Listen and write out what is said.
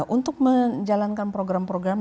untuk menjalankan program program